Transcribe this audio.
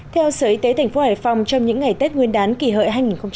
theo sở y tế tp hải phòng trong những ngày tết nguyên đán kỳ hợi hai nghìn một mươi chín